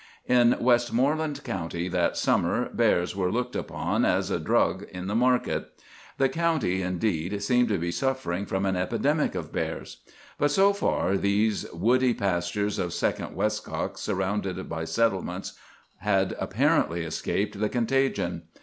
"In Westmoreland county that summer bears were looked upon as a drug in the market. The county, indeed, seemed to be suffering from an epidemic of bears. But, so far, these woody pastures of Second Westcock, surrounded by settlements, had apparently escaped the contagion.